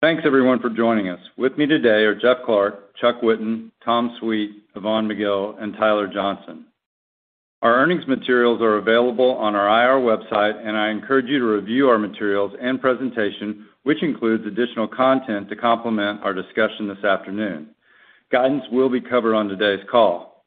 Thanks, everyone, for joining us. With me today are Jeff Clarke, Chuck Whitten, Tom Sweet, Yvonne McGill, and Tyler Johnson. Our earnings materials are available on our IR website. I encourage you to review our materials and presentation, which includes additional content to complement our discussion this afternoon. Guidance will be covered on today's call.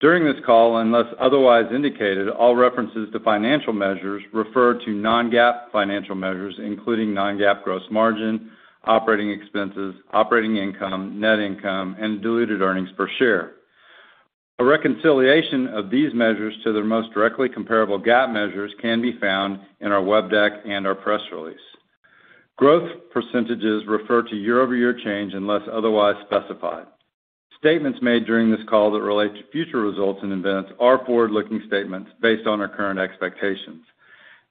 During this call, unless otherwise indicated, all references to financial measures refer to non-GAAP financial measures, including non-GAAP gross margin, operating expenses, operating income, net income, and diluted earnings per share. A reconciliation of these measures to their most directly comparable GAAP measures can be found in our web deck and our press release. Growth percentages refer to year-over-year change unless otherwise specified. Statements made during this call that relate to future results and events are forward-looking statements based on our current expectations.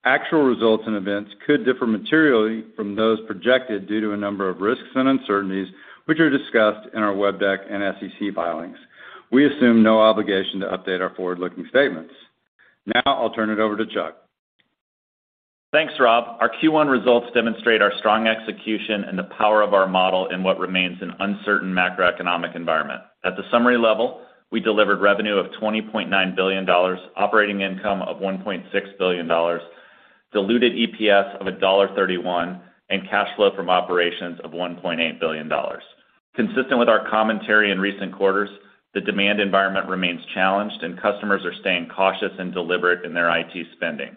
Actual results and events could differ materially from those projected due to a number of risks and uncertainties, which are discussed in our web deck and SEC filings. We assume no obligation to update our forward-looking statements. I'll turn it over to Chuck. Thanks, Rob. Our Q1 results demonstrate our strong execution and the power of our model in what remains an uncertain macroeconomic environment. At the summary level, we delivered revenue of $20.9 billion, operating income of $1.6 billion, diluted EPS of $1.31, and cash flow from operations of $1.8 billion. Consistent with our commentary in recent quarters, the demand environment remains challenged and customers are staying cautious and deliberate in their IT spending.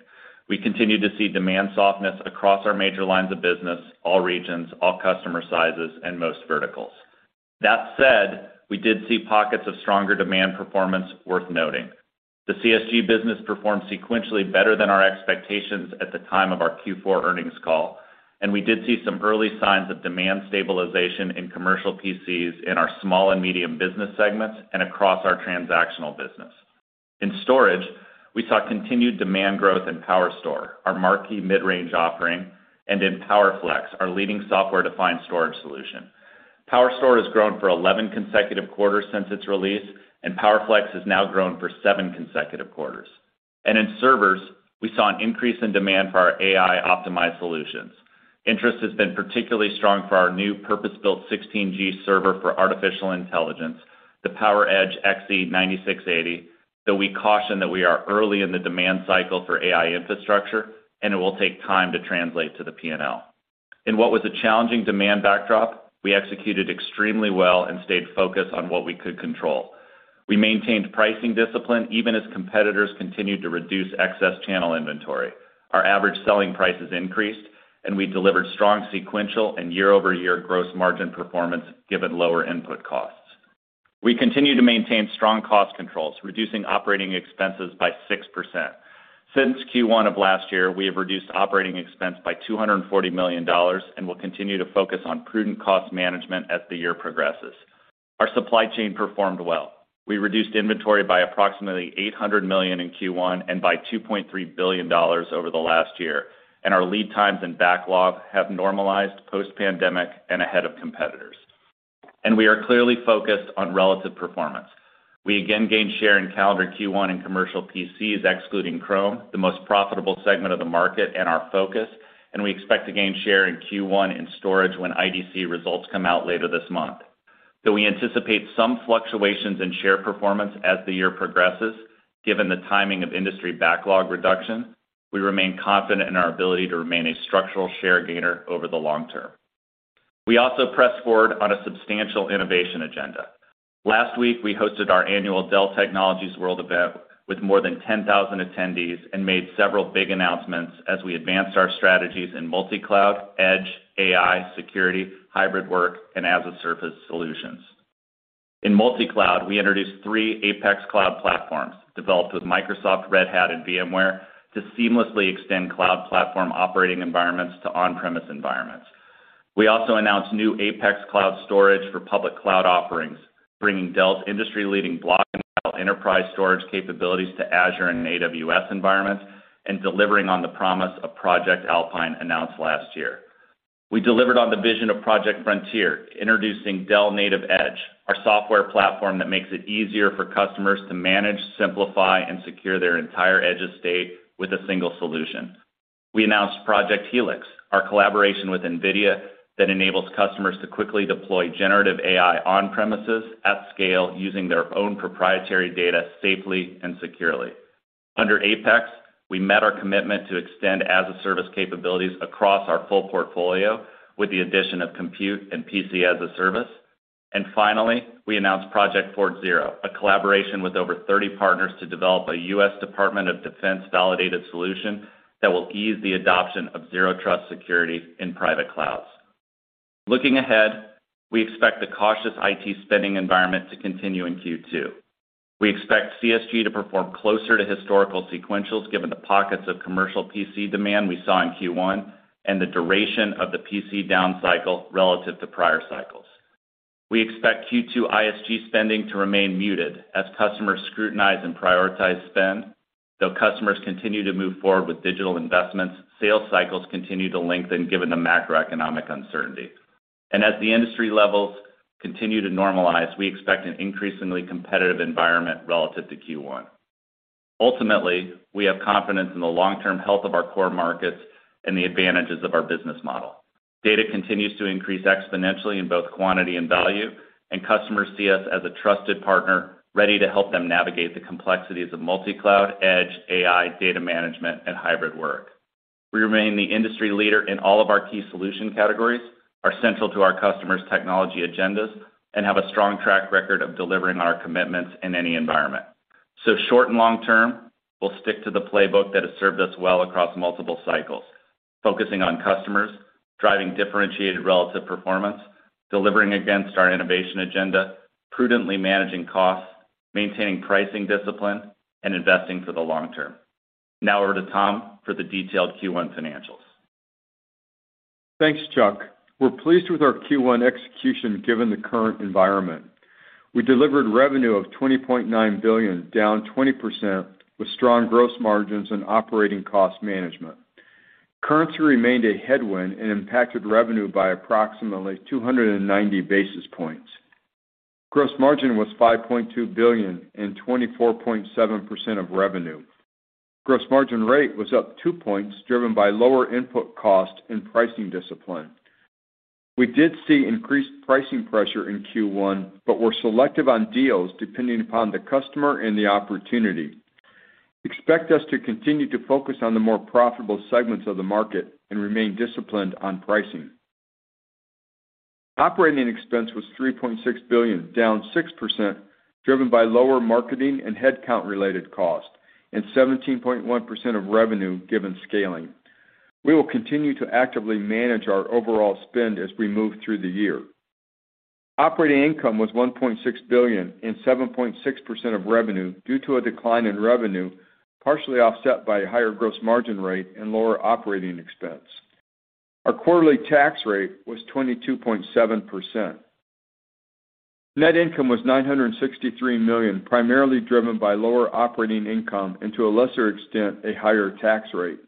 We continue to see demand softness across our major lines of business, all regions, all customer sizes, and most verticals. That said, we did see pockets of stronger demand performance worth noting. The CSG business performed sequentially better than our expectations at the time of our Q4 earnings call. We did see some early signs of demand stabilization in commercial PCs in our small and medium business segments and across our transactional business. In storage, we saw continued demand growth in PowerStore, our marquee mid-range offering, and in PowerFlex, our leading software-defined storage solution. PowerStore has grown for 11 consecutive quarters since its release, and PowerFlex has now grown for seven consecutive quarters. In servers, we saw an increase in demand for our AI-optimized solutions. Interest has been particularly strong for our new purpose-built 16G server for artificial intelligence, the PowerEdge XE9680, though we caution that we are early in the demand cycle for AI infrastructure, and it will take time to translate to the P&L. In what was a challenging demand backdrop, we executed extremely well and stayed focused on what we could control. We maintained pricing discipline, even as competitors continued to reduce excess channel inventory. Our average selling prices increased, and we delivered strong sequential and year-over-year gross margin performance, given lower input costs. We continue to maintain strong cost controls, reducing OpEx by 6%. Since Q1 of last year, we have reduced OpEx by $240 million and will continue to focus on prudent cost management as the year progresses. Our supply chain performed well. We reduced inventory by approximately $800 million in Q1 and by $2.3 billion over the last year, our lead times and backlog have normalized post-pandemic and ahead of competitors. We are clearly focused on relative performance. We again gained share in calendar Q1 in commercial PCs, excluding Chrome, the most profitable segment of the market and our focus, and we expect to gain share in Q1 in storage when IDC results come out later this month. Though we anticipate some fluctuations in share performance as the year progresses, given the timing of industry backlog reductions, we remain confident in our ability to remain a structural share gainer over the long term. We also pressed forward on a substantial innovation agenda. Last week, we hosted our annual Dell Technologies World event with more than 10,000 attendees and made several big announcements as we advanced our strategies in multi-cloud, edge, AI, security, hybrid work, and as-a-service solutions. In multi-cloud, we introduced three APEX Cloud Platforms developed with Microsoft, Red Hat, and VMware to seamlessly extend cloud platform operating environments to on-premise environments. We also announced new APEX Cloud Storage for public cloud offerings, bringing Dell's industry-leading block-level enterprise storage capabilities to Azure and AWS environments and delivering on the promise of Project Alpine, announced last year. We delivered on the vision of Project Frontier, introducing Dell NativeEdge, our software platform that makes it easier for customers to manage, simplify, and secure their entire edge estate with a single solution. We announced Project Helix, our collaboration with NVIDIA that enables customers to quickly deploy generative AI on-premises at scale using their own proprietary data safely and securely. Under APEX, we met our commitment to extend as-a-service capabilities across our full portfolio with the addition of Compute and PC as a Service. Finally, we announced Project Fort Zero, a collaboration with over 30 partners to develop a U.S. Department of Defense-validated solution that will ease the adoption of Zero Trust security in private clouds. Looking ahead, we expect the cautious IT spending environment to continue in Q2. We expect CSG to perform closer to historical sequentials, given the pockets of commercial PC demand we saw in Q1 and the duration of the PC down cycle relative to prior cycles. We expect Q2 ISG spending to remain muted as customers scrutinize and prioritize spend. Though customers continue to move forward with digital investments, sales cycles continue to lengthen given the macroeconomic uncertainty. As the industry levels continue to normalize, we expect an increasingly competitive environment relative to Q1. Ultimately, we have confidence in the long-term health of our core markets and the advantages of our business model. Data continues to increase exponentially in both quantity and value. Customers see us as a trusted partner, ready to help them navigate the complexities of multi-cloud, edge, AI, data management, and hybrid work. We remain the industry leader in all of our key solution categories, are central to our customers' technology agendas, and have a strong track record of delivering on our commitments in any environment. Short and long term, we'll stick to the playbook that has served us well across multiple cycles: focusing on customers, driving differentiated relative performance, delivering against our innovation agenda, prudently managing costs, maintaining pricing discipline, and investing for the long term. Over to Tom for the detailed Q1 financials. Thanks, Chuck. We're pleased with our Q1 execution, given the current environment. We delivered revenue of $20.9 billion, down 20%, with strong gross margins and operating cost management. Currency remained a headwind and impacted revenue by approximately 290 basis points. Gross margin was $5.2 billion and 24.7% of revenue. Gross margin rate was up 2 points, driven by lower input costs and pricing discipline. We did see increased pricing pressure in Q1, but we're selective on deals depending upon the customer and the opportunity. Expect us to continue to focus on the more profitable segments of the market and remain disciplined on pricing. Operating expense was $3.6 billion, down 6%, driven by lower marketing and headcount-related costs, and 17.1% of revenue, given scaling. We will continue to actively manage our overall spend as we move through the year. Operating income was $1.6 billion and 7.6% of revenue due to a decline in revenue, partially offset by a higher gross margin rate and lower operating expense. Our quarterly tax rate was 22.7%. Net income was $963 million, primarily driven by lower operating income and, to a lesser extent, a higher tax rate.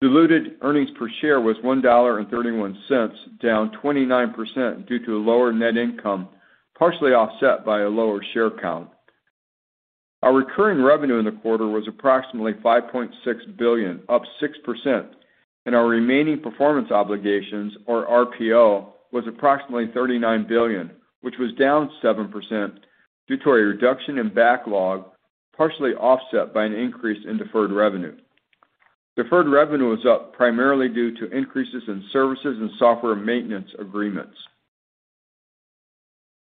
Diluted earnings per share was $1.31, down 29% due to a lower net income, partially offset by a lower share count. Our recurring revenue in the quarter was approximately $5.6 billion, up 6%, and our remaining performance obligations, or RPO, was approximately $39 billion, which was down 7% due to a reduction in backlog, partially offset by an increase in deferred revenue. Deferred revenue was up primarily due to increases in services and software maintenance agreements.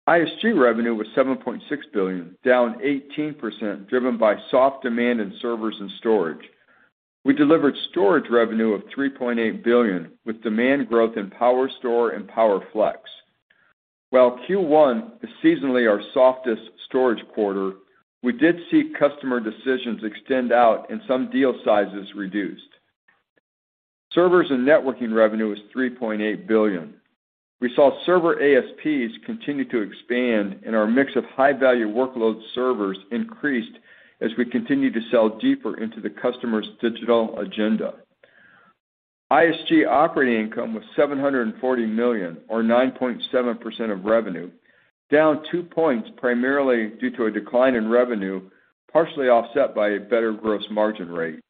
ISG revenue was $7.6 billion, down 18%, driven by soft demand in servers and storage. We delivered storage revenue of $3.8 billion, with demand growth in PowerStore and PowerFlex. While Q1 is seasonally our softest storage quarter, we did see customer decisions extend out and some deal sizes reduced. Servers and networking revenue was $3.8 billion. We saw server ASPs continue to expand, and our mix of high-value workload servers increased as we continued to sell deeper into the customer's digital agenda. ISG operating income was $740 million, or 9.7% of revenue, down 2 points primarily due to a decline in revenue, partially offset by a better gross margin rate.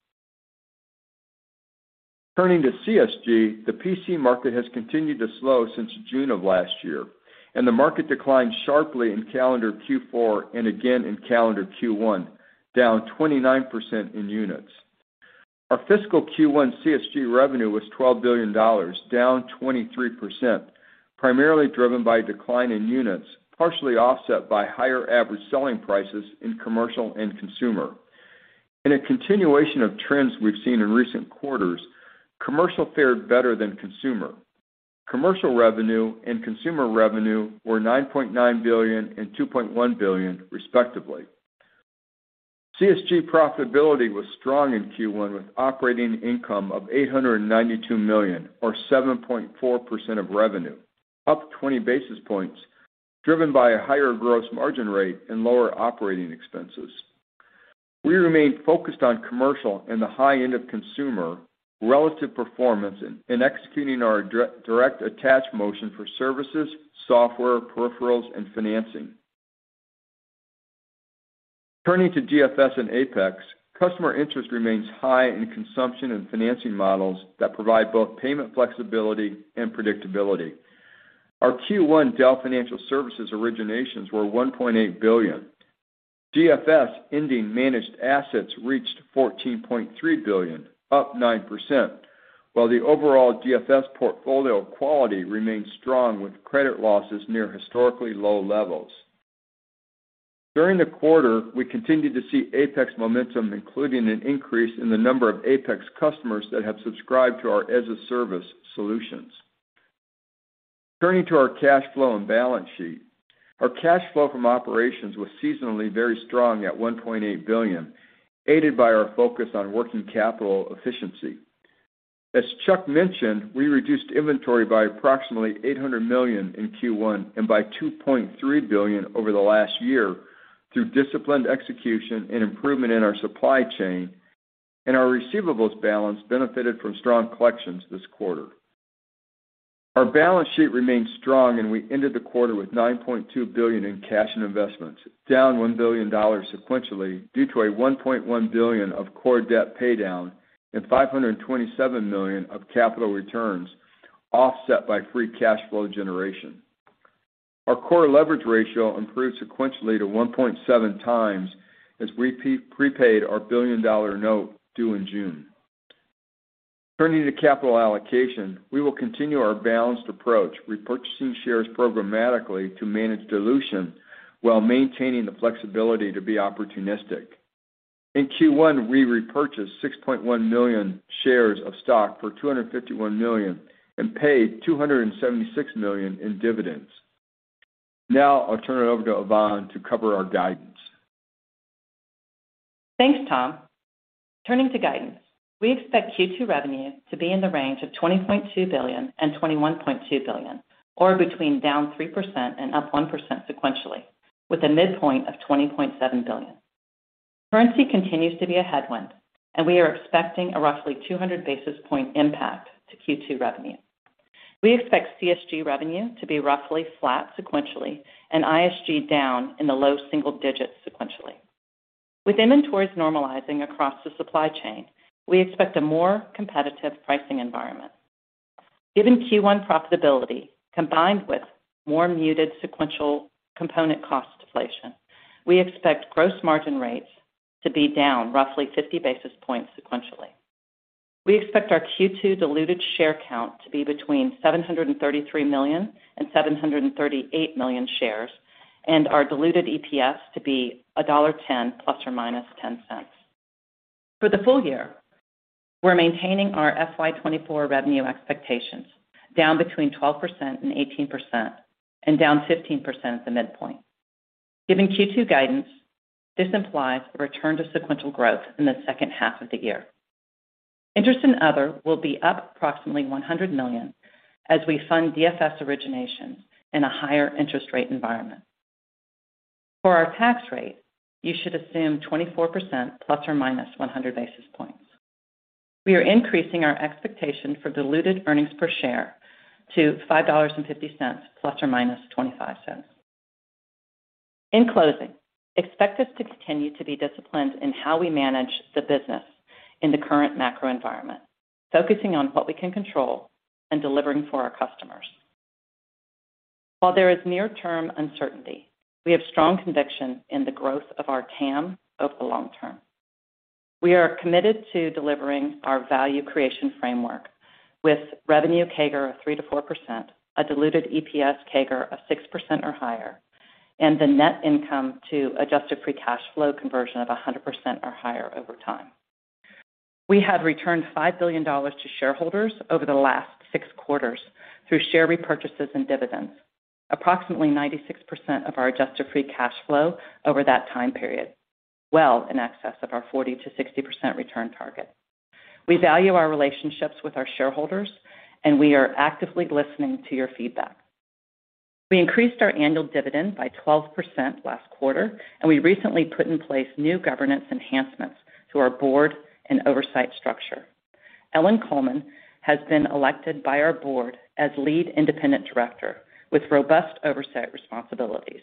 Turning to CSG, the PC market has continued to slow since June of last year, and the market declined sharply in calendar Q4 and again in calendar Q1, down 29% in units. Our fiscal Q1 CSG revenue was $12 billion, down 23%, primarily driven by a decline in units, partially offset by higher average selling prices in commercial and consumer. In a continuation of trends we've seen in recent quarters, commercial fared better than consumer. Commercial revenue and consumer revenue were $9.9 billion and $2.1 billion, respectively. CSG profitability was strong in Q1, with operating income of $892 million, or 7.4% of revenue, up 20 basis points, driven by a higher gross margin rate and lower operating expenses. We remain focused on commercial and the high end of consumer relative performance and executing our direct attach motion for services, software, peripherals, and financing. Turning to DFS and APEX, customer interest remains high in consumption and financing models that provide both payment flexibility and predictability. Our Q1 Dell Financial Services originations were $1.8 billion. DFS ending managed assets reached $14.3 billion, up 9%, while the overall DFS portfolio quality remains strong, with credit losses near historically low levels. During the quarter, we continued to see APEX momentum, including an increase in the number of APEX customers that have subscribed to our as-a-service solutions. Turning to our cash flow and balance sheet. Our cash flow from operations was seasonally very strong at $1.8 billion, aided by our focus on working capital efficiency. As Chuck mentioned, we reduced inventory by approximately $800 million in Q1 and by $2.3 billion over the last year through disciplined execution and improvement in our supply chain. Our receivables balance benefited from strong collections this quarter. Our balance sheet remains strong. We ended the quarter with $9.2 billion in cash and investments, down $1 billion sequentially due to a $1.1 billion of core debt paydown and $527 million of capital returns, offset by free cash flow generation. Our core leverage ratio improved sequentially to 1.7x, as we prepaid our billion-dollar note due in June. Turning to capital allocation, we will continue our balanced approach, repurchasing shares programmatically to manage dilution while maintaining the flexibility to be opportunistic. In Q1, we repurchased 6.1 million shares of stock for $251 million and paid $276 million in dividends. I'll turn it over to Yvonne to cover our guidance. Thanks, Tom. Turning to guidance, we expect Q2 revenue to be in the range of $20.2 billion-$21.2 billion, or between down 3% and up 1% sequentially, with a midpoint of $20.7 billion. Currency continues to be a headwind, we are expecting a roughly 200 basis point impact to Q2 revenue. We expect CSG revenue to be roughly flat sequentially and ISG down in the low single digits sequentially. With inventories normalizing across the supply chain, we expect a more competitive pricing environment. Given Q1 profitability, combined with more muted sequential component cost deflation, we expect gross margin rates to be down roughly 50 basis points sequentially. We expect our Q2 diluted share count to be between 733 million and 738 million shares, and our diluted EPS to be $1.10 ± $0.10. For the full year, we're maintaining our FY 2024 revenue expectations, down between 12% and 18%, and down 15% at the midpoint. Given Q2 guidance, this implies a return to sequential growth in the second half of the year. Interest and other will be up approximately $100 million as we fund DFS originations in a higher interest rate environment. For our tax rate, you should assume 24% ± 100 basis points. We are increasing our expectation for diluted earnings per share to $5.50 ± $0.25. In closing, expect us to continue to be disciplined in how we manage the business in the current macro environment, focusing on what we can control and delivering for our customers. While there is near-term uncertainty, we have strong conviction in the growth of our TAM over the long term. We are committed to delivering our value creation framework with revenue CAGR of 3%-4%, a diluted EPS CAGR of 6% or higher, and the net income to adjusted free cash flow conversion of 100% or higher over time. We have returned $5 billion to shareholders over the last six quarters through share repurchases and dividends, approximately 96% of our adjusted free cash flow over that time period, well in excess of our 40%-60% return target. We value our relationships with our shareholders, and we are actively listening to your feedback. We increased our annual dividend by 12% last quarter, and we recently put in place new governance enhancements to our board and oversight structure. Ellen Kullman has been elected by our board as Lead Independent Director with robust oversight responsibilities,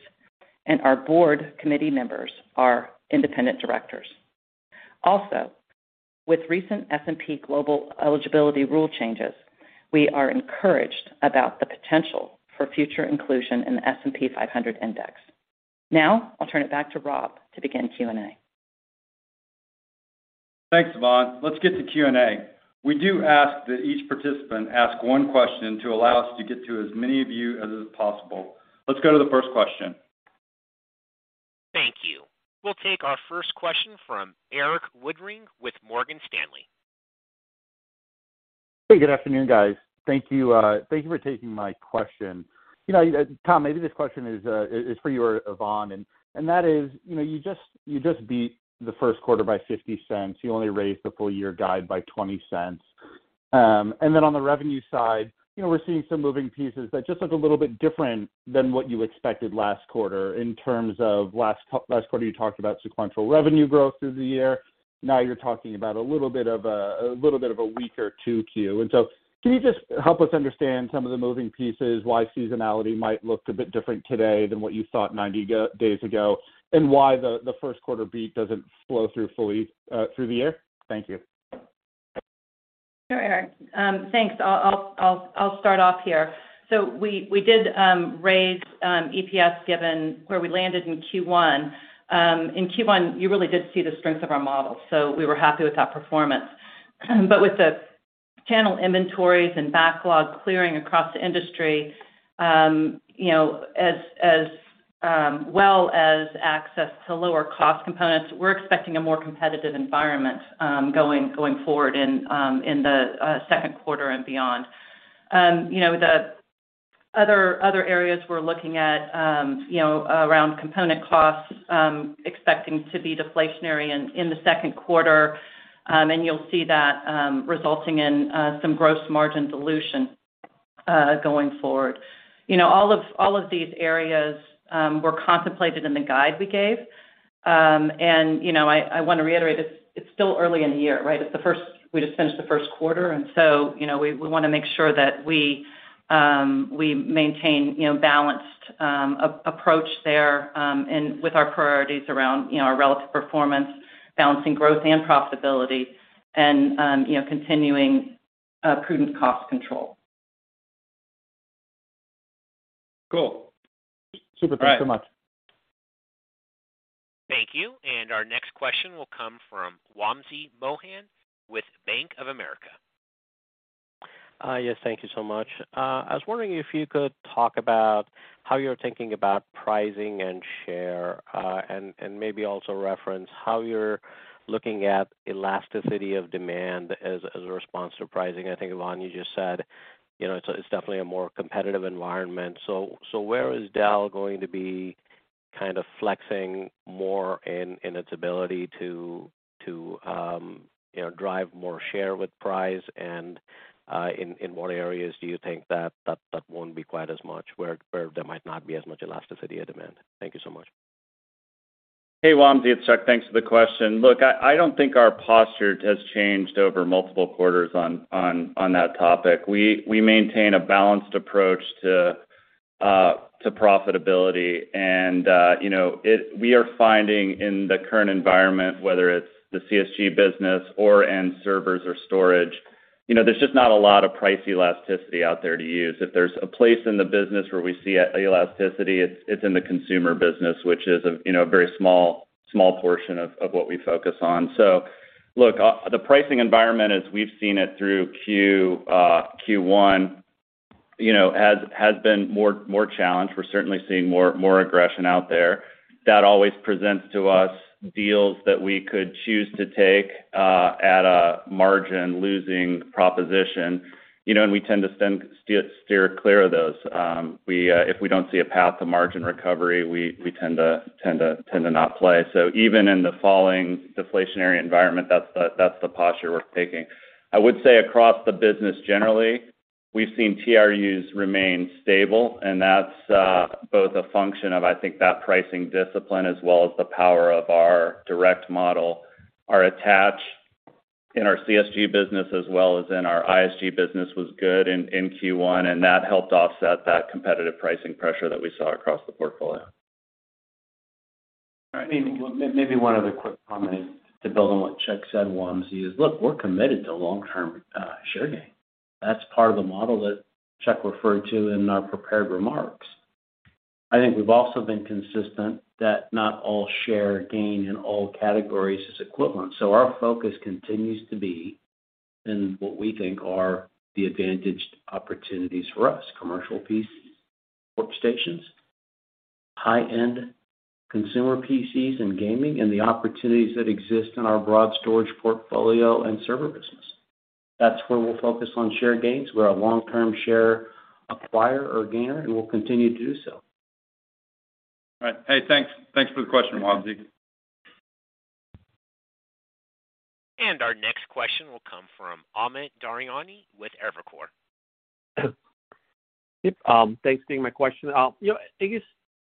and our board committee members are independent directors. With recent S&P Global eligibility rule changes, we are encouraged about the potential for future inclusion in the S&P 500 Index. I'll turn it back to Rob to begin Q&A. Thanks, Yvonne. Let's get to Q&A. We do ask that each participant ask one question to allow us to get to as many of you as is possible. Let's go to the first question. Thank you. We'll take our first question from Erik Woodring with Morgan Stanley. Hey, good afternoon, guys. Thank you, thank you for taking my question. You know, Tom, maybe this question is for you or Yvonne, and that is, you know, you just beat the first quarter by $0.50. You only raised the full year guide by $0.20. On the revenue side, you know, we're seeing some moving pieces that just look a little bit different than what you expected last quarter. In terms of last quarter, you talked about sequential revenue growth through the year. Now you're talking about a little bit of a weaker 2Q. Can you just help us understand some of the moving pieces, why seasonality might look a bit different today than what you thought 90 days ago, and why the 1st quarter beat doesn't flow through fully through the year? Thank you. Sure, Erik, thanks. I'll start off here. We did raise EPS given where we landed in Q1. In Q1, you really did see the strength of our model, so we were happy with that performance. With the channel inventories and backlog clearing across the industry, you know, as well as access to lower cost components, we're expecting a more competitive environment going forward in the second quarter and beyond. You know, the other areas we're looking at, you know, around component costs, expecting to be deflationary in the second quarter, and you'll see that resulting in some gross margin dilution going forward. You know, all of these areas were contemplated in the guide we gave. You know, I want to reiterate, it's still early in the year, right? We just finished the first quarter. You know, we want to make sure that we maintain, you know, balanced approach there, with our priorities around, you know, our relative performance, balancing growth and profitability, you know, continuing prudent cost control. Cool. Super. Thanks so much. Thank you. Our next question will come from Wamsi Mohan with Bank of America. Yes, thank you so much. I was wondering if you could talk about how you're thinking about pricing and share, and maybe also reference how you're looking at elasticity of demand as a response to pricing. I think, Yvonne, you just said, you know, it's definitely a more competitive environment. Where is Dell going to be kind of flexing more in its ability to, you know, drive more share with price? In what areas do you think that won't be quite as much, where there might not be as much elasticity of demand? Thank you so much. Hey, Wamsi, it's Chuck. Thanks for the question. Look, I don't think our posture has changed over multiple quarters on that topic. We maintain a balanced approach to profitability. you know, we are finding in the current environment, whether it's the CSG business or servers or storage, you know, there's just not a lot of price elasticity out there to use. If there's a place in the business where we see elasticity, it's in the consumer business, which is a, you know, a very small portion of what we focus on. Look, the pricing environment, as we've seen it through Q1, you know, has been more challenged. We're certainly seeing more aggression out there. That always presents to us deals that we could choose to take at a margin-losing proposition. You know, we tend to steer clear of those. We, if we don't see a path to margin recovery, we tend to not play. Even in the falling deflationary environment, that's the posture we're taking. I would say across the business generally, we've seen TRUs remain stable, that's both a function of, I think, that pricing discipline, as well as the power of our direct model. Our attach in our CSG business as well as in our ISG business was good in Q1, that helped offset that competitive pricing pressure that we saw across the portfolio. All right. Maybe one other quick comment to build on what Chuck said, Wamsi, is, look, we're committed to long-term share gain. That's part of the model that Chuck referred to in our prepared remarks. I think we've also been consistent that not all share gain in all categories is equivalent. Our focus continues to be in what we think are the advantaged opportunities for us: commercial PCs, workstations, high-end consumer PCs and gaming, and the opportunities that exist in our broad storage portfolio and server business. That's where we'll focus on share gains. We're a long-term share acquirer or gainer, and we'll continue to do so. All right. Hey, thanks. Thanks for the question, Wamsi. Our next question will come from Amit Daryanani with Evercore. Yep, thanks for taking my question. You know, I guess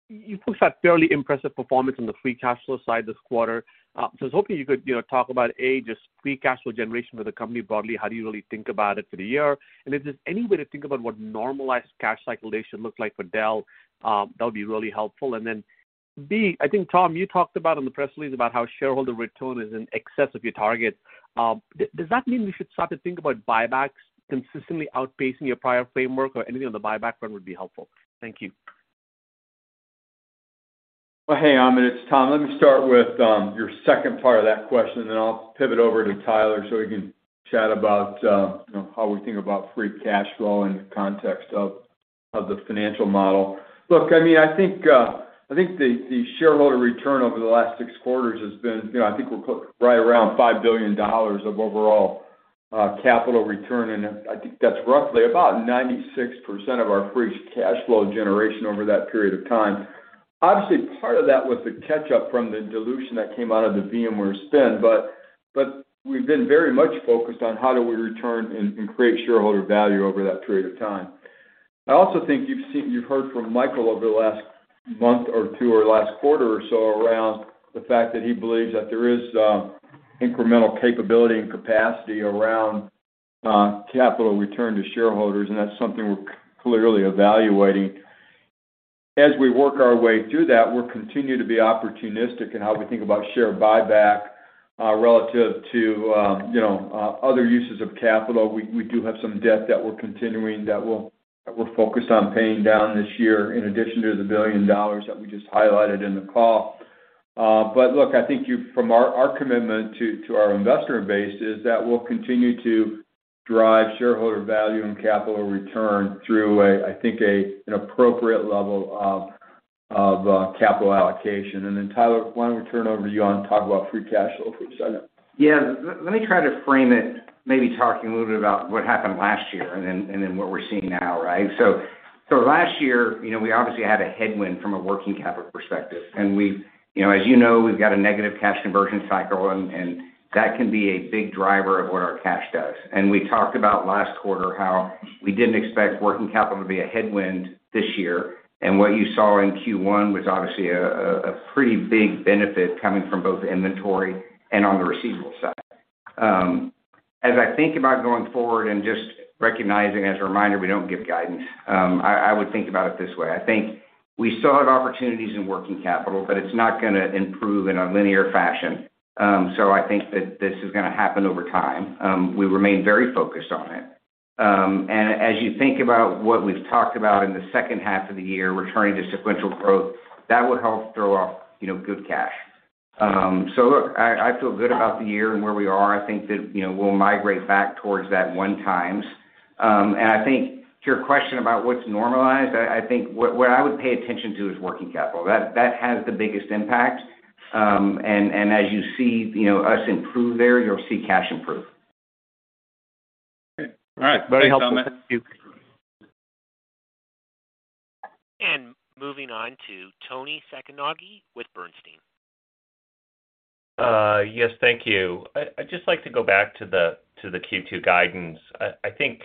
you folks had fairly impressive performance on the free cash flow side this quarter. I was hoping you could, you know, talk about, A, just free cash flow generation for the company broadly. How do you really think about it for the year? If there's any way to think about what normalized cash cycle day should look like for Dell, that would be really helpful. B, I think, Tom, you talked about in the press release about how shareholder return is in excess of your target. Does that mean we should start to think about buybacks consistently outpacing your prior framework, or anything on the buyback front would be helpful? Thank you. Well, hey, Amit, it's Tom Sweet. Let me start with your second part of that question, and then I'll pivot over to Tyler Johnson, so he can chat about, you know, how we think about free cash flow in the context of the financial model. Look, I mean, I think the shareholder return over the last six quarters has been, you know, I think we're right around $5 billion of overall capital return, and I think that's roughly about 96% of our free cash flow generation over that period of time. Obviously, part of that was the catch-up from the dilution that came out of the VMware spin, but we've been very much focused on how do we return and create shareholder value over that period of time. I also think you've heard from Michael over the last month or two or last quarter or so around the fact that he believes that there is incremental capability and capacity around capital return to shareholders. That's something we're clearly evaluating. As we work our way through that, we'll continue to be opportunistic in how we think about share buyback relative to, you know, other uses of capital. We do have some debt that we're focused on paying down this year, in addition to the $1 billion that we just highlighted in the call. Look, I think from our commitment to our investor base is that we'll continue to drive shareholder value and capital return through I think an appropriate level of capital allocation. Tyler, why don't we turn it over to you and talk about free cash flow for a second? Yeah. Let me try to frame it, maybe talking a little bit about what happened last year and then what we're seeing now, right? Last year, you know, we obviously had a headwind from a working capital perspective. We, you know, as you know, we've got a negative cash conversion cycle, and that can be a big driver of what our cash does. We talked about last quarter how we didn't expect working capital to be a headwind this year, and what you saw in Q1 was obviously a pretty big benefit coming from both inventory and on the receivables side. As I think about going forward and just recognizing as a reminder, we don't give guidance, I would think about it this way: I think we still have opportunities in working capital, but it's not gonna improve in a linear fashion. So I think that this is gonna happen over time. We remain very focused on it. As you think about what we've talked about in the second half of the year, returning to sequential growth, that will help throw off, you know, good cash. Look, I feel good about the year and where we are. I think that, you know, we'll migrate back towards that one times. I think to your question about what's normalized, I think what I would pay attention to is working capital. That has the biggest impact. As you see, you know, us improve there, you'll see cash improve. Okay. All right. Very helpful, Tom. Moving on to Toni Sacconaghi with Bernstein. Yes, thank you. I'd just like to go back to the Q2 guidance. I think,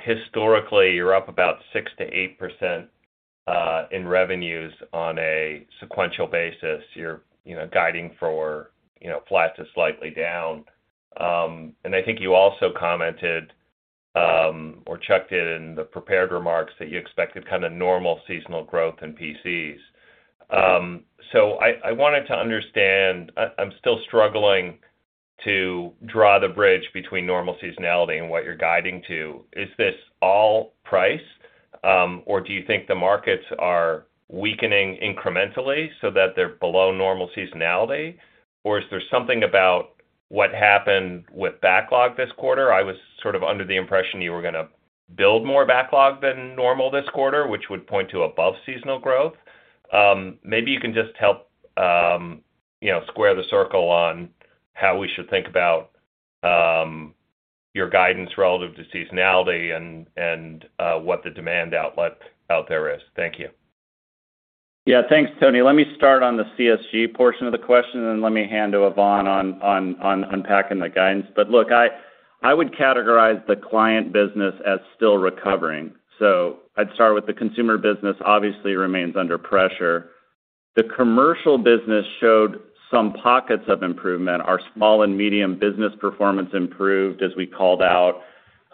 historically, you're up about 6%-8% in revenues on a sequential basis. You're, you know, guiding for, you know, flat to slightly down. I think you also commented, or Chuck did in the prepared remarks, that you expected kind of normal seasonal growth in PCs. I wanted to understand. I'm still struggling to draw the bridge between normal seasonality and what you're guiding to. Is this all price? Or do you think the markets are weakening incrementally so that they're below normal seasonality? Or is there something about what happened with backlog this quarter? I was sort of under the impression you were gonna build more backlog than normal this quarter, which would point to above seasonal growth. maybe you can just help, you know, square the circle on how we should think about your guidance relative to seasonality and what the demand outlet out there is. Thank you. Yeah. Thanks, Toni. Let me start on the CSG portion of the question, and then let me hand to Yvonne on unpacking the guidance. Look, I would categorize the client business as still recovering. I'd start with the consumer business, obviously remains under pressure. The commercial business showed some pockets of improvement. Our small and medium business performance improved, as we called out,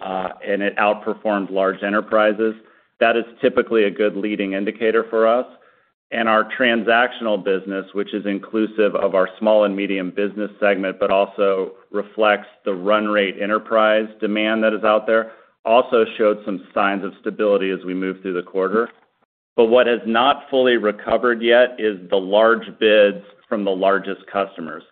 and it outperformed large enterprises. That is typically a good leading indicator for us. Our transactional business, which is inclusive of our small and medium business segment, but also reflects the run rate enterprise demand that is out there, also showed some signs of stability as we moved through the quarter. What has not fully recovered yet is the large bids from the largest customers,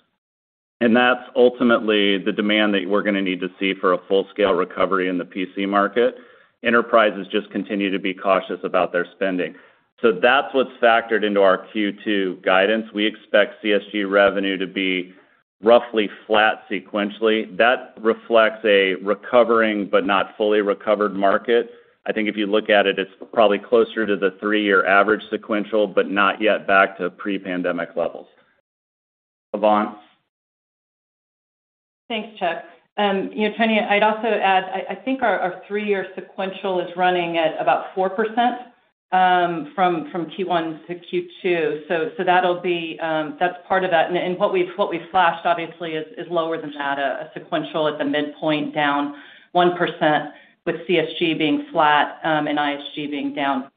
and that's ultimately the demand that we're gonna need to see for a full-scale recovery in the PC market. Enterprises just continue to be cautious about their spending. That's what's factored into our Q2 guidance. We expect CSG revenue to be roughly flat sequentially. That reflects a recovering, but not fully recovered market. I think if you look at it's probably closer to the three-year average sequential, but not yet back to pre-pandemic levels. Yvonne? Thanks, Chuck. You know, Toni, I'd also add, I think our three-year sequential is running at about 4% from Q1-Q2. That'll be, that's part of that. What we've flashed, obviously, is lower than that, a sequential at the midpoint, down 1%, with CSG being flat, and ISG being down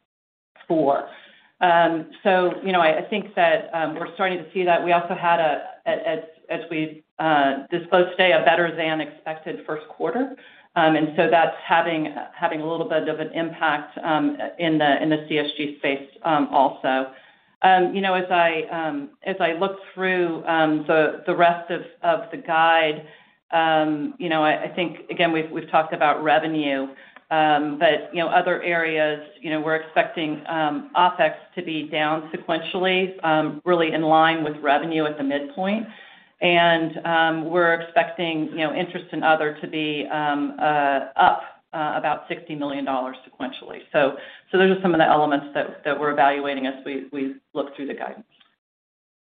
4%. You know, I think that we're starting to see that. We also had a, as we disclosed today, a better-than-expected first quarter. That's having a little bit of an impact in the CSG space also. You know, as I look through the rest of the guide, you know, I think, again, we've talked about revenue, but, you know, other areas, you know, we're expecting, OpEx to be down sequentially, really in line with revenue at the midpoint. We're expecting, you know, interest and other to be, up, about $60 million sequentially. Those are some of the elements that we're evaluating as we look through the guidance.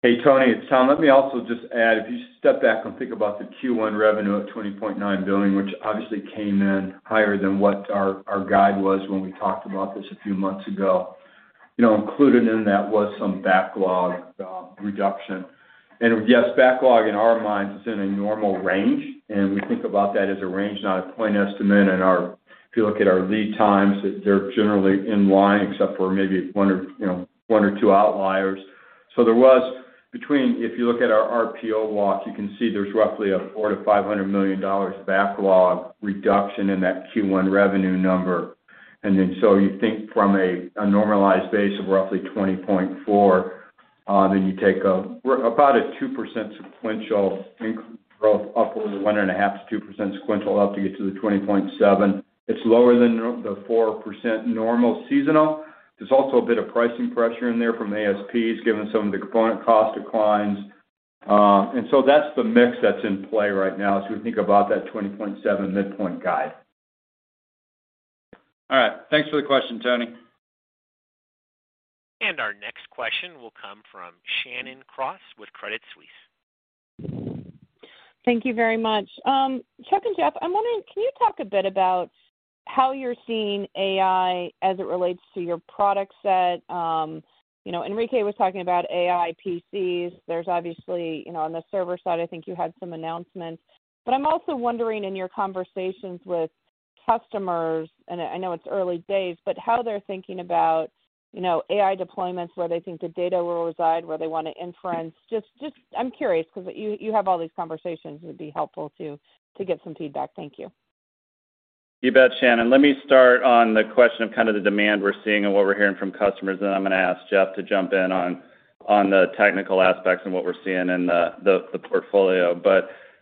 Hey, Toni, it's Tom. Let me also just add, if you step back and think about the Q1 revenue of $20.9 billion, which obviously came in higher than what our guide was when we talked about this a few months ago, you know, included in that was some backlog reduction. Yes, backlog in our minds, is in a normal range, and we think about that as a range, not a point estimate. If you look at our lead times, they're generally in line, except for maybe one or, you know, one or two outliers. There was between... If you look at our RPO walk, you can see there's roughly a $400 million-$500 million backlog reduction in that Q1 revenue number. You think from a normalized base of roughly $20.4, then you take we're about a 2% sequential growth, up only 1.5%-2% sequential up to get to the $20.7. It's lower than the 4% normal seasonal. There's also a bit of pricing pressure in there from ASPs, given some of the component cost declines.... That's the mix that's in play right now as we think about that 20.7 midpoint guide. All right, thanks for the question, Toni. Our next question will come from Shannon Cross with Credit Suisse. Thank you very much. Chuck and Jeff, I'm wondering, can you talk a bit about how you're seeing AI as it relates to your product set? you know, Enrique was talking about AI PCs. There's obviously, you know, on the server side, I think you had some announcements. But I'm also wondering, in your conversations with customers, and I know it's early days, but how they're thinking about, you know, AI deployments, where they think the data will reside, where they want to inference. Just, I'm curious 'cause you have all these conversations. It would be helpful to get some feedback. Thank you. You bet, Shannon. Let me start on the question of kind of the demand we're seeing and what we're hearing from customers. I'm gonna ask Jeff to jump in on the technical aspects and what we're seeing in the portfolio.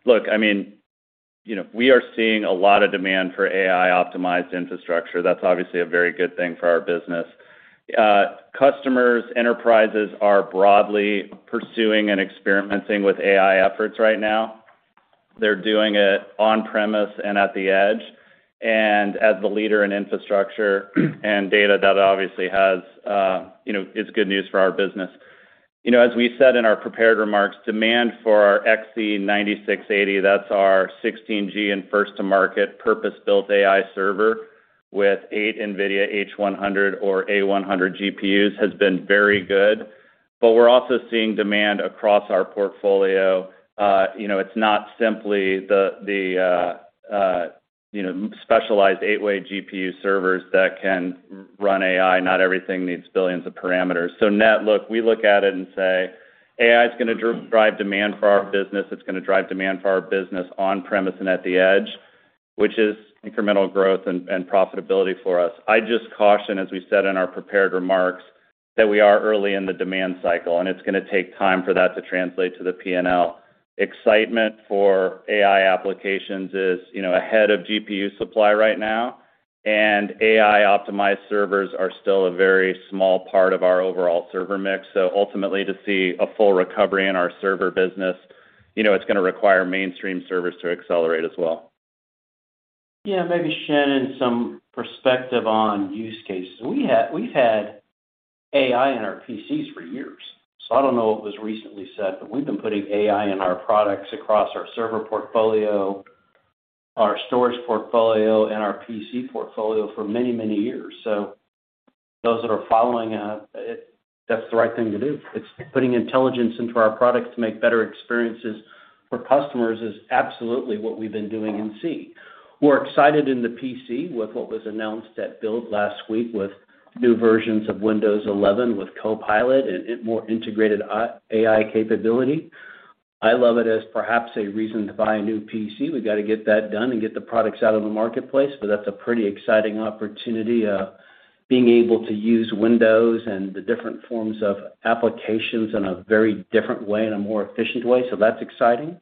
Look, I mean, you know, we are seeing a lot of demand for AI-optimized infrastructure. That's obviously a very good thing for our business. Customers, enterprises are broadly pursuing and experimenting with AI efforts right now. They're doing it on-premise and at the edge. As the leader in infrastructure and data, that obviously has, you know, is good news for our business. You know, as we said in our prepared remarks, demand for our XE9680, that's our 16G and first to market purpose-built AI server with eight NVIDIA H100 or A100 GPUs, has been very good. We're also seeing demand across our portfolio. You know, it's not simply the specialized eight-way GPU servers that can run AI. Not everything needs billions of parameters. Net, look, we look at it and say, AI is gonna drive demand for our business. It's gonna drive demand for our business on-premise and at the edge, which is incremental growth and profitability for us. I just caution, as we said in our prepared remarks, that we are early in the demand cycle, and it's gonna take time for that to translate to the PNL. Excitement for AI applications is, you know, ahead of GPU supply right now, and AI-optimized servers are still a very small part of our overall server mix. Ultimately, to see a full recovery in our server business, you know, it's gonna require mainstream servers to accelerate as well. Yeah, maybe, Shannon, some perspective on use cases. We've had AI in our PCs for years, I don't know what was recently said, but we've been putting AI in our products across our server portfolio, our storage portfolio, and our PC portfolio for many, many years. Those that are following, it, that's the right thing to do. It's putting intelligence into our products to make better experiences for customers is absolutely what we've been doing in C. We're excited in the PC with what was announced at Build last week, with new versions of Windows 11, with Copilot and it more integrated AI capability. I love it as perhaps a reason to buy a new PC. We've got to get that done and get the products out in the marketplace, but that's a pretty exciting opportunity, being able to use Windows and the different forms of applications in a very different way and a more efficient way. That's exciting.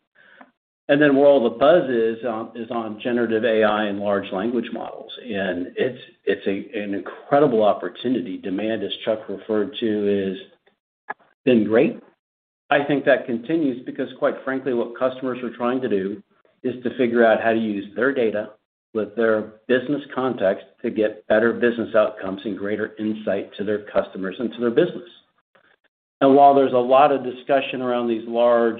Where all the buzz is on generative AI and large language models, it's an incredible opportunity. Demand, as Chuck referred to, is been great. I think that continues because, quite frankly, what customers are trying to do is to figure out how to use their data with their business context to get better business outcomes and greater insight to their customers and to their business. While there's a lot of discussion around these large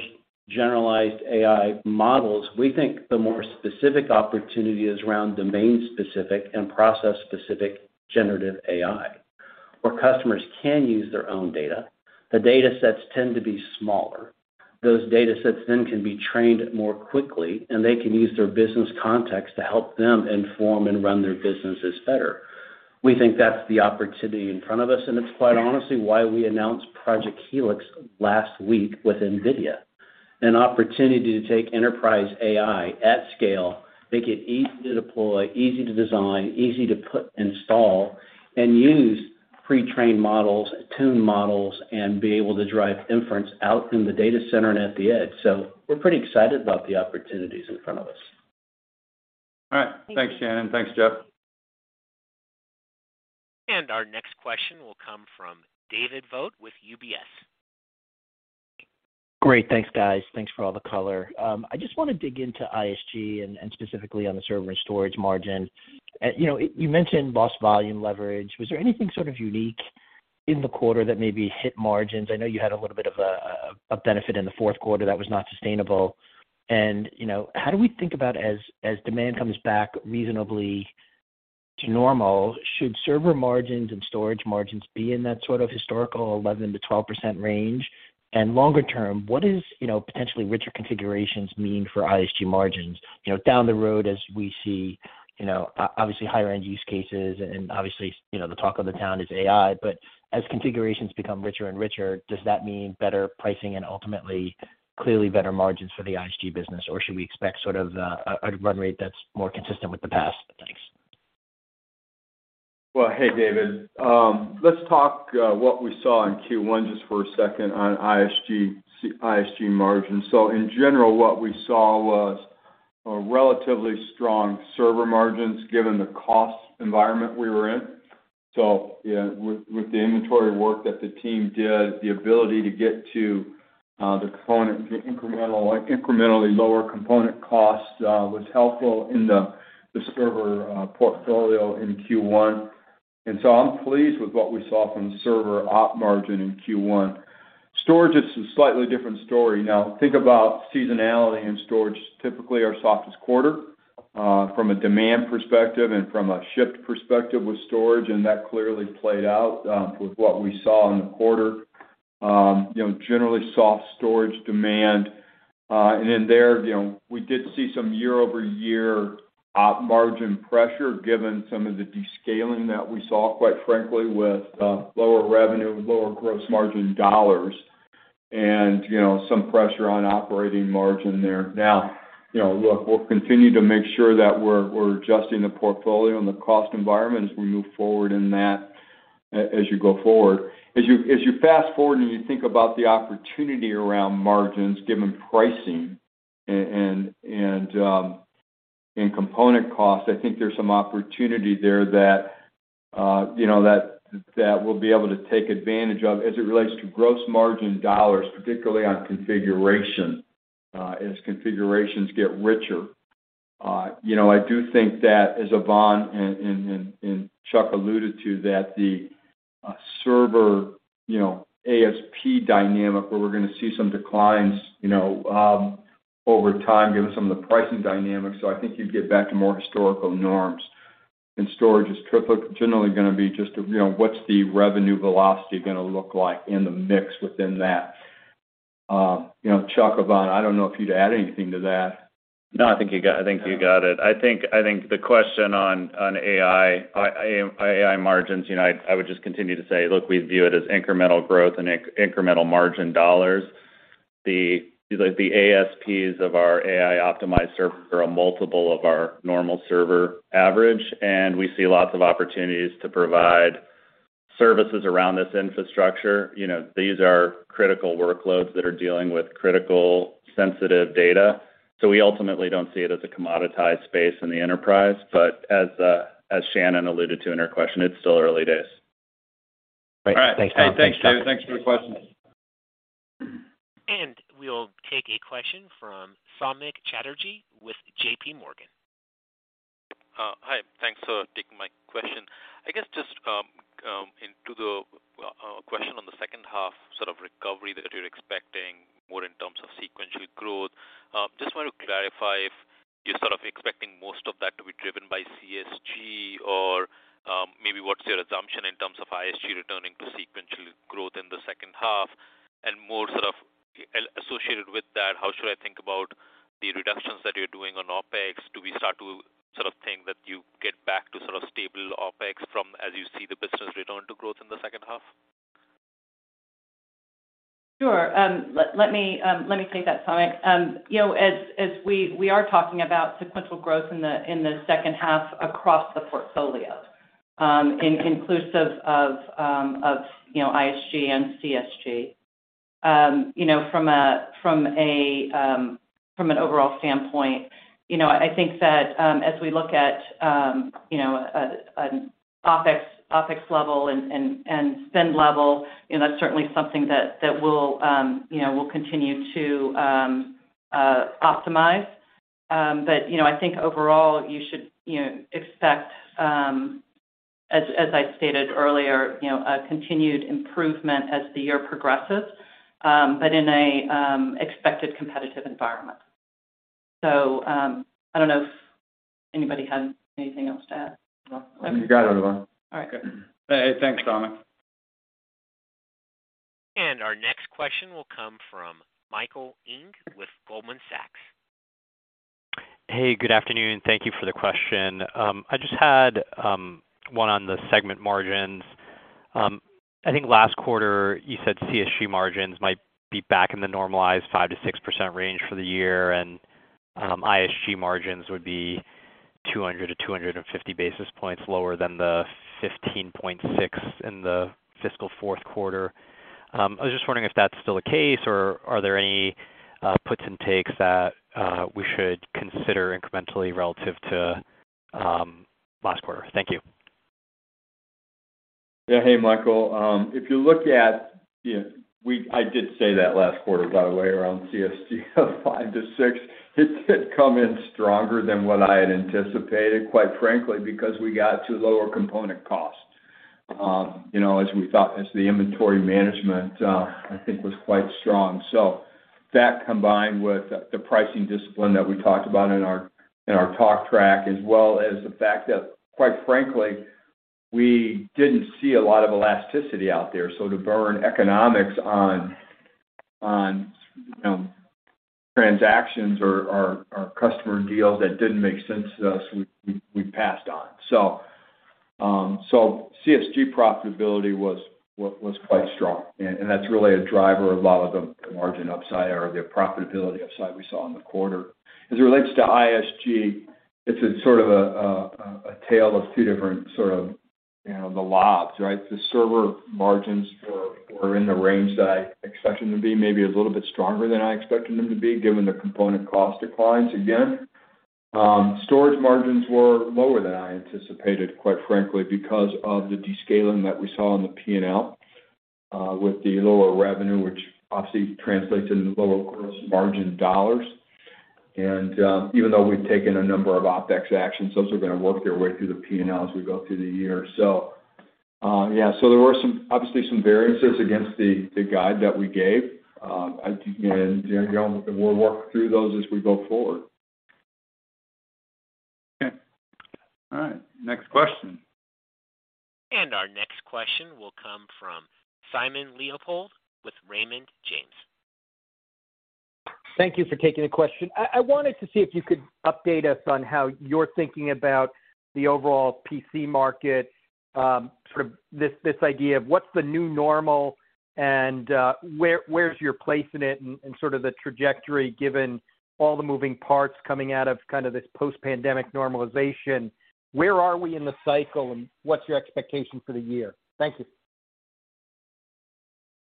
generalized AI models, we think the more specific opportunity is around domain-specific and process-specific generative AI, where customers can use their own data. The data sets tend to be smaller. Those data sets then can be trained more quickly, and they can use their business context to help them inform and run their businesses better. We think that's the opportunity in front of us, and it's quite honestly why we announced Project Helix last week with NVIDIA. An opportunity to take enterprise AI at scale, make it easy to deploy, easy to design, easy to put install, and use pre-trained models, tune models, and be able to drive inference out in the data center and at the edge. We're pretty excited about the opportunities in front of us. All right. Thanks, Shannon. Thanks, Jeff. Our next question will come from David Vogt with UBS. Great. Thanks, guys. Thanks for all the color. I just want to dig into ISG and specifically on the server and storage margin. You know, you mentioned lost volume leverage. Was there anything sort of unique in the quarter that maybe hit margins? I know you had a little bit of a benefit in the fourth quarter that was not sustainable. You know, how do we think about as demand comes back reasonably to normal, should server margins and storage margins be in that sort of historical 11%-12% range? Longer term, what does, you know, potentially richer configurations mean for ISG margins? You know, down the road, as we see, you know, obviously, higher-end use cases and obviously, you know, the talk of the town is AI, but as configurations become richer and richer, does that mean better pricing and ultimately, clearly better margins for the ISG business? Should we expect sort of a run rate that's more consistent with the past? Thanks. Well, hey, David. Let's talk what we saw in Q1 just for a second on ISG margins. In general, what we saw was a relatively strong server margins given the cost environment we were in. Yeah, with the inventory work that the team did, the ability to get to the incrementally lower component costs was helpful in the server portfolio in Q1. I'm pleased with what we saw from server Op margin in Q1. Storage is a slightly different story. Now, think about seasonality in storage, typically our softest quarter from a demand perspective and from a shipped perspective with storage, and that clearly played out with what we saw in the quarter. You know, generally soft storage demand. And then there, you know, we did see some year-over-year Op margin pressure, given some of the descaling that we saw, quite frankly, with lower revenue and lower gross margin dollars and, you know, some pressure on operating margin there. You know, look, we'll continue to make sure that we're adjusting the portfolio and the cost environment as we move forward in that, as you go forward. As you fast forward, and you think about the opportunity around margins, given pricing and component costs, I think there's some opportunity there that, you know, that we'll be able to take advantage of as it relates to gross margin dollars, particularly on configuration, as configurations get richer. You know, I do think that as Yvonne and Chuck alluded to, that the server, you know, ASP dynamic, where we're going to see some declines, you know, over time, given some of the pricing dynamics. I think you'd get back to more historical norms, and storage is generally going to be just, you know, what's the revenue velocity gonna look like in the mix within that? You know, Chuck, Yvonne, I don't know if you'd add anything to that. No, I think you got it. I think the question on AI margins, you know, I would just continue to say, look, we view it as incremental growth and incremental margin dollars. Like, the ASPs of our AI-optimized servers are a multiple of our normal server average, and we see lots of opportunities to provide services around this infrastructure. You know, these are critical workloads that are dealing with critical, sensitive data, so we ultimately don't see it as a commoditized space in the enterprise. As Shannon alluded to in her question, it's still early days. Great. Thanks, Chuck. Hey, thank you. Thanks for the question. We'll take a question from Samik Chatterjee with JPMorgan. Hi, thanks for taking my question. I guess just into the question on the second half, sort of recovery that you're expecting, more in terms of sequential growth. Just want to clarify if you're sort of expecting most of that to be driven by CSG, or maybe what's your assumption in terms of ISG returning to sequential growth in the second half? More sort of associated with that, how should I think about the reductions that you're doing on OpEx? Do we start to sort of think that you get back to sort of stable OpEx from as you see the business return to growth in the second half? Sure. Let me take that, Samik. You know, as we are talking about sequential growth in the second half across the portfolio, inclusive of, you know, ISG and CSG. You know, from an overall standpoint, you know, I think that, as we look at, you know, an OpEx level and spend level, you know, that's certainly something that we'll, you know, we'll continue to optimize. You know, I think overall, you should, you know, expect, as I stated earlier, you know, a continued improvement as the year progresses, but in an expected competitive environment. I don't know if anybody had anything else to add. You got it, Yvonne. All right. Good. Thanks, Samik. Our next question will come from Michael Ng with Goldman Sachs. Hey, good afternoon. Thank you for the question. I just had one on the segment margins. I think last quarter, you said CSG margins might be back in the normalized 5%-6% range for the year, and ISG margins would be 200-250 basis points lower than the 15.6 in the fiscal fourth quarter. I was just wondering if that's still the case, or are there any puts and takes that we should consider incrementally relative to last quarter? Thank you. Hey, Michael. If you look at, you know, I did say that last quarter, by the way, around CSG, five to six. It did come in stronger than what I had anticipated, quite frankly, because we got to lower component costs. You know, as we thought, as the inventory management, I think was quite strong. That combined with the pricing discipline that we talked about in our talk track, as well as the fact that, quite frankly, we didn't see a lot of elasticity out there. To burn economics on transactions or our customer deals that didn't make sense to us, we passed on. CSG profitability was quite strong, and that's really a driver of a lot of the margin upside or the profitability upside we saw in the quarter. As it relates to ISG, it's a sort of a tale of two different sort of, you know, the labs, right? The server margins were in the range that I expected them to be, maybe a little bit stronger than I expected them to be, given the component cost declines again. Storage margins were lower than I anticipated, quite frankly, because of the descaling that we saw in the PNL with the lower revenue, which obviously translates into lower gross margin dollars. Even though we've taken a number of OpEx actions, those are gonna work their way through the PNL as we go through the year. Yeah, there were some, obviously some variances against the guide that we gave. I think, you know, we'll work through those as we go forward. Okay. All right, next question. Our next question will come from Simon Leopold with Raymond James. Thank you for taking the question. I wanted to see if you could update us on how you're thinking about the overall PC market, sort of this idea of what's the new normal and where's your place in it and sort of the trajectory, given all the moving parts coming out of kind of this post-pandemic normalization? Where are we in the cycle, and what's your expectation for the year? Thank you.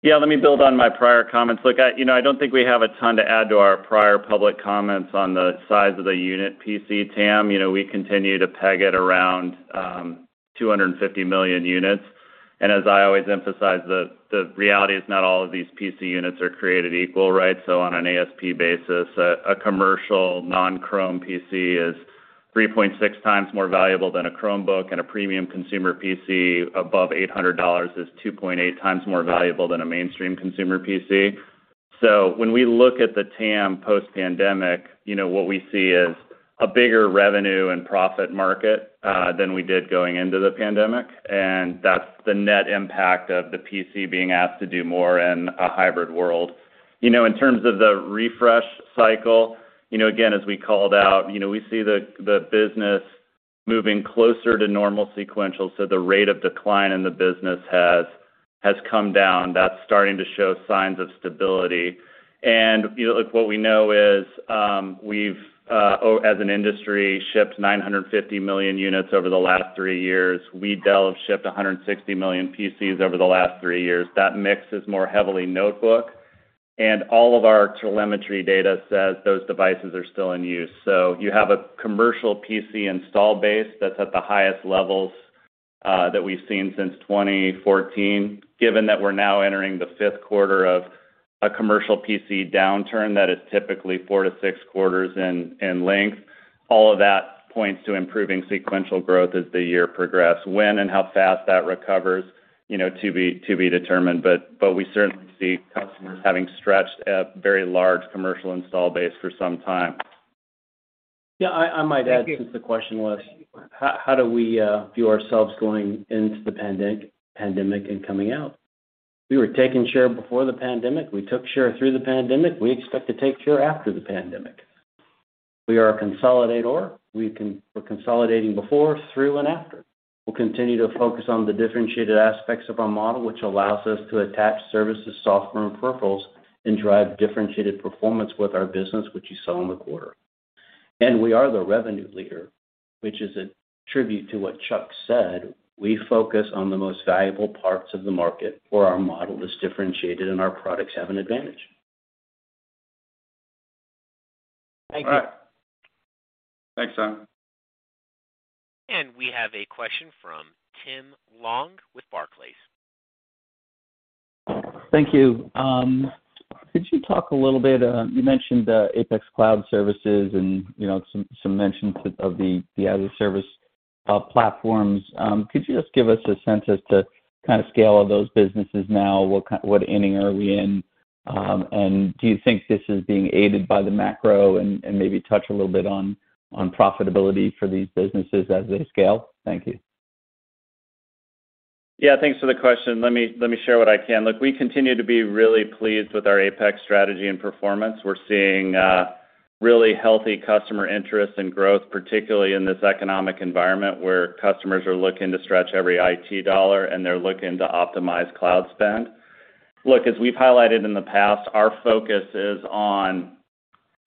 Yeah, let me build on my prior comments. Look, you know, I don't think we have a ton to add to our prior public comments on the size of the unit PC, TAM. You know, we continue to peg it around 250 million units. As I always emphasize, the reality is not all of these PC units are created equal, right? On an ASP basis, a commercial non-Chrome PC is 3.6x more valuable than a Chromebook, and a premium consumer PC above $800 is 2.8x more valuable than a mainstream consumer PC. When we look at the TAM post-pandemic, you know, what we see is a bigger revenue and profit market than we did going into the pandemic, and that's the net impact of the PC being asked to do more in a hybrid world. You know, in terms of the refresh cycle, you know, again, as we called out, you know, we see the business moving closer to normal sequential, so the rate of decline in the business has come down. That's starting to show signs of stability. You know, look, what we know is, we've as an industry, shipped 950 million units over the last three years. We, Dell, have shipped 160 million PCs over the last three years. That mix is more heavily notebook, and all of our telemetry data says those devices are still in use. You have a commercial PC install base that's at the highest levels that we've seen since 2014. Given that we're now entering the fifth quarter of a commercial PC downturn, that is typically four to six quarters in length, all of that points to improving sequential growth as the year progressed. When and how fast that recovers, you know, to be determined, but we certainly see customers having stretched a very large commercial install base for some time. Yeah, I might add, since the question was, how do we view ourselves going into the pandemic and coming out? We were taking share before the pandemic. We took share through the pandemic. We expect to take share after the pandemic. We are a consolidator. We're consolidating before, through, and after. We'll continue to focus on the differentiated aspects of our model, which allows us to attach services, software, and peripherals, and drive differentiated performance with our business, which you saw in the quarter. We are the revenue leader, which is a tribute to what Chuck said: We focus on the most valuable parts of the market, where our model is differentiated and our products have an advantage. Thank you. All right. Thanks, Simon. We have a question from Tim Long with Barclays. Thank you. Could you talk a little bit, you mentioned the APEX cloud services and, you know, some mentions of the other service platforms? Could you just give us a sense as to kind of scale of those businesses now? What inning are we in? Do you think this is being aided by the macro, and maybe touch a little bit on profitability for these businesses as they scale? Thank you. Yeah, thanks for the question. Let me share what I can. Look, we continue to be really pleased with our APEX strategy and performance. We're seeing really healthy customer interest and growth, particularly in this economic environment, where customers are looking to stretch every IT dollar, and they're looking to optimize cloud spend. Look, as we've highlighted in the past, our focus is on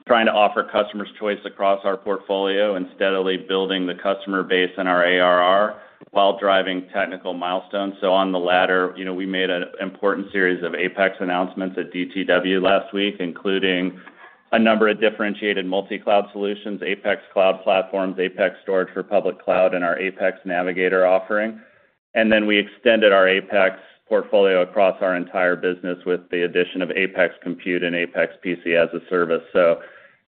trying to offer customers choice across our portfolio and steadily building the customer base in our ARR while driving technical milestones. On the latter, you know, we made an important series of APEX announcements at DTW last week, including a number of differentiated multi-cloud solutions, APEX Cloud Platforms, APEX Storage for public cloud, and our APEX Navigator offering. We extended our APEX portfolio across our entire business with the addition of APEX Compute and APEX PC as a Service.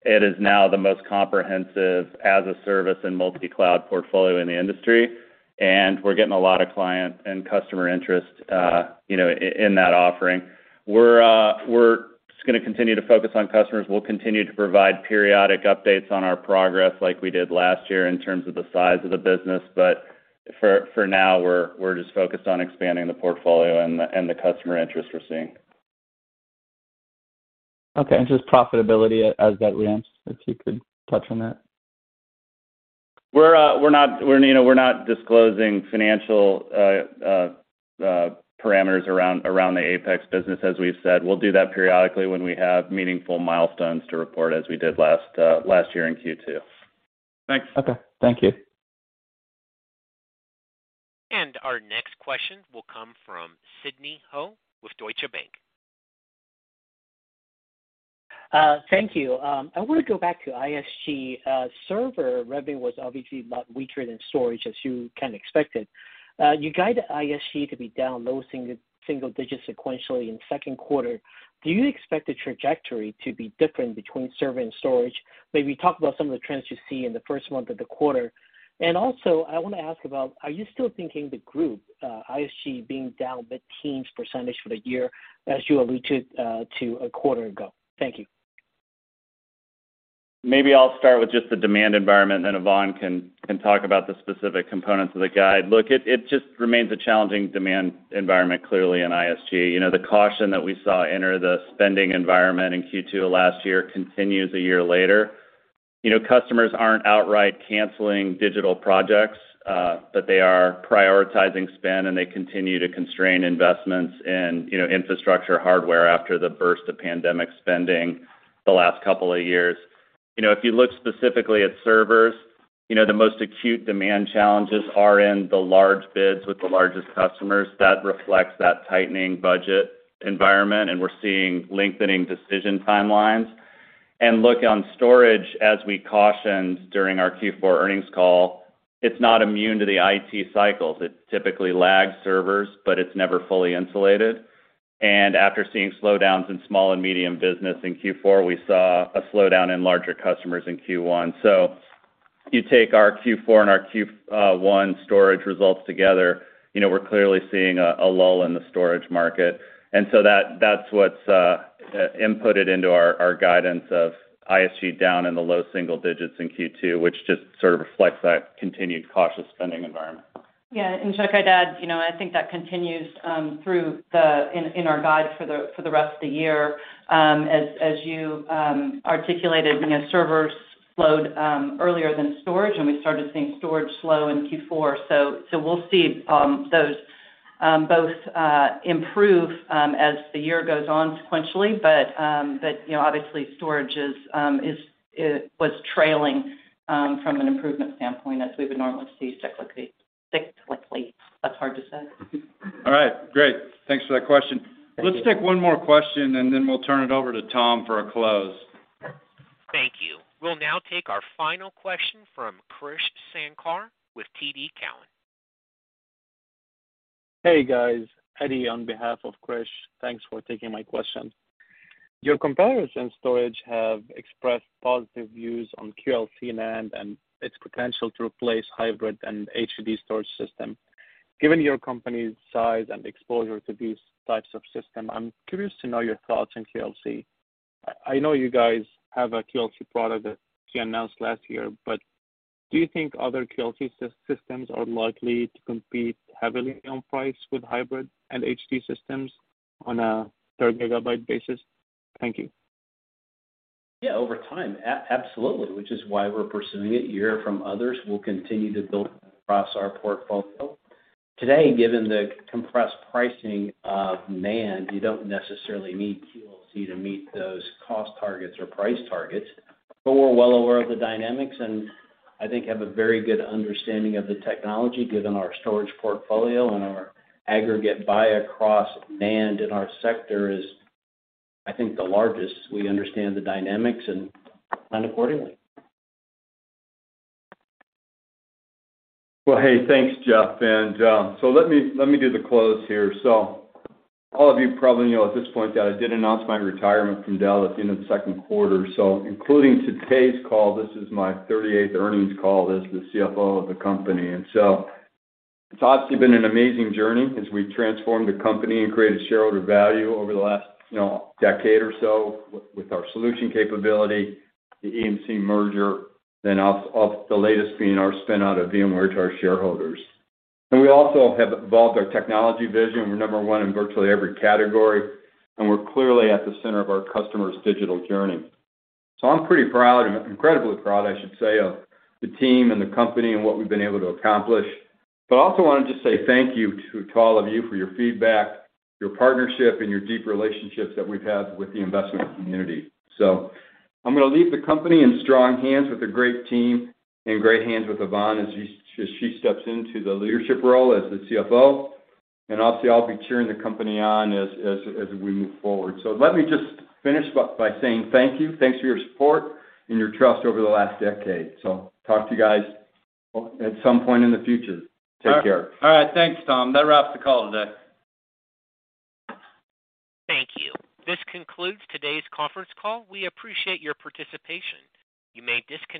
It is now the most comprehensive as-a-service and multi-cloud portfolio in the industry, and we're getting a lot of client and customer interest, you know, in that offering. We're just gonna continue to focus on customers. We'll continue to provide periodic updates on our progress like we did last year in terms of the size of the business, but for now, we're just focused on expanding the portfolio and the customer interest we're seeing. Okay, just profitability as that ramps, if you could touch on that? We're not, you know, we're not disclosing financial parameters around the APEX business. As we've said, we'll do that periodically when we have meaningful milestones to report, as we did last year in Q2. Thanks. Okay, thank you. Our next question will come from Sidney Ho with Deutsche Bank. Thank you. I want to go back to ISG. Server revenue was obviously a lot weaker than storage, as you kind of expected. You guide ISG to be down low single digits sequentially in second quarter. Do you expect the trajectory to be different between server and storage? Maybe talk about some of the trends you see in the first month of the quarter. I want to ask about, are you still thinking the group, ISG being down mid-teens percentage for the year, as you alluded to a quarter ago? Thank you. Maybe I'll start with just the demand environment, and then Yvonne can talk about the specific components of the guide. It just remains a challenging demand environment, clearly in ISG. You know, the caution that we saw enter the spending environment in Q2 of last year continues a year later. You know, customers aren't outright canceling digital projects, but they are prioritizing spend, and they continue to constrain investments in, you know, infrastructure hardware after the burst of pandemic spending the last couple of years. You know, if you look specifically at servers, you know, the most acute demand challenges are in the large bids with the largest customers. That reflects that tightening budget environment, and we're seeing lengthening decision timelines. Look, on storage, as we cautioned during our Q4 earnings call, it's not immune to the IT cycles. It typically lags servers, but it's never fully insulated. After seeing slowdowns in small and medium business in Q4, we saw a slowdown in larger customers in Q1. You take our Q4 and our Q1 storage results together, you know, we're clearly seeing a lull in the storage market. That's what's inputted into our guidance of ISG down in the low single digits in Q2, which just sort of reflects that continued cautious spending environment. Yeah, Chuck, I'd add, you know, I think that continues in our guide for the rest of the year. As you articulated, you know, servers slowed earlier than storage, and we started seeing storage slow in Q4. We'll see those both improve as the year goes on sequentially. You know, obviously, storage was trailing from an improvement standpoint, as we would normally see cyclically. That's hard to say. All right, great. Thanks for that question. Let's take one more question, and then we'll turn it over to Tom for a close. Thank you. We'll now take our final question from Krish Sankar with TD Cowen. Hey, guys. Eddie, on behalf of Krish, thanks for taking my question. Your competitors in storage have expressed positive views on QLC NAND and its potential to replace hybrid and HDD storage system. Given your company's size and exposure to these types of systems, I'm curious to know your thoughts on QLC. I know you guys have a QLC product that you announced last year, but do you think other QLC systems are likely to compete heavily on price with hybrid and HDD systems on a per gigabyte basis? Thank you. Yeah, over time, absolutely, which is why we're pursuing it. You hear from others, we'll continue to build across our portfolio. Today, given the compressed pricing of NAND, you don't necessarily need QLC to meet those cost targets or price targets. We're well aware of the dynamics and I think have a very good understanding of the technology, given our storage portfolio and our aggregate buy across NAND in our sector is, I think, the largest. We understand the dynamics and plan accordingly. Well, hey, thanks, Jeff. Let me do the close here. All of you probably know at this point that I did announce my retirement from Dell at the end of the 2nd quarter. Including today's call, this is my 38th earnings call as the CFO of the company. It's obviously been an amazing journey as we've transformed the company and created shareholder value over the last, you know, decade or so with our solution capability, the EMC merger, then off, of the latest being our spin out of VMware to our shareholders. We also have evolved our technology vision. We're number one in virtually every category, and we're clearly at the center of our customers' digital journey. I'm pretty proud, incredibly proud, I should say, of the team and the company and what we've been able to accomplish. I also want to just say thank you to all of you for your feedback, your partnership, and your deep relationships that we've had with the investment community. I'm going to leave the company in strong hands with a great team and great hands with Yvonne as she steps into the leadership role as the CFO. obviously, I'll be cheering the company on as we move forward. let me just finish by saying thank you. Thanks for your support and your trust over the last decade. talk to you guys at some point in the future. Take care. All right. Thanks, Tom. That wraps the call today. Thank you. This concludes today's conference call. We appreciate your participation. You may disconnect.